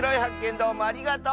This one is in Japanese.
どうもありがとう！